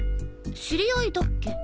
知り合いだっけ？